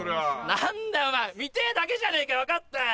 何だよお前見てぇだけじゃねえか分かったよ！